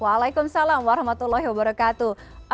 waalaikumsalam warahmatullahi wabarakatuh